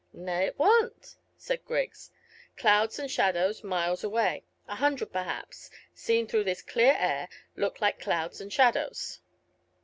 "Nay, it warn't," said Griggs. "Clouds and shadows miles away a hundred, perhaps seen through this clear air look like clouds and shadows."